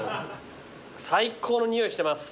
最高の匂いしてます。